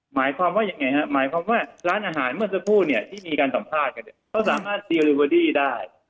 หมายความว่ายังไงฮะหมายความว่าร้านอาหารเมื่อสักครู่เนี่ยที่มีการสัมภาษณ์กันเนี่ยเขาสามารถซีลิเวอรี่ได้